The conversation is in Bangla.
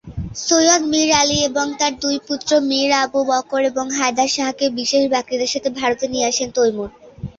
সৈয়দ মীর আলী এবং তাঁর দুই পুত্র "মীর আবু বকর" এবং "হায়দার শাহকে" বিশেষ ব্যক্তিদের সাথে ভারতে নিয়ে আসেন তৈমুর।